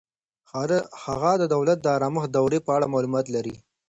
هغه د دولت د آرامښت دورې په اړه معلومات لري.